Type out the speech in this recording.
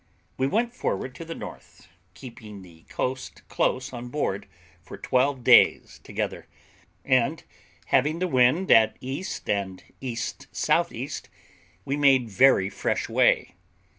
We went forward to the north, keeping the coast close on board for twelve days together, and having the wind at east and E.S.E., we made very fresh way.